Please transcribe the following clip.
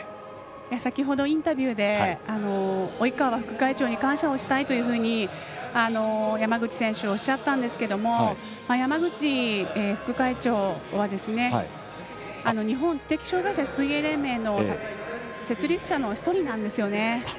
先ほど、インタビューで及川副会長に感謝をしたいというふうに山口選手がおっしゃったんですが及川副会長は日本知的障害者水泳連盟の設立者の１人なんですね。